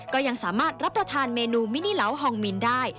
ก็ยังสามารถรับประทานเมนูมินิเหลาฮองมินได้